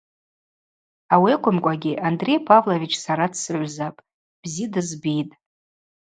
Ауи акӏвымкӏвагьи Андрей Павлович сара дсызгӏвзапӏ, бзи дызбитӏ.